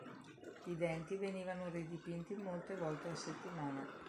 I denti venivano ridipinti molte volte a settimana.